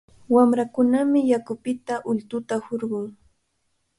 Wamrakunami yakupita ultuta hurqun.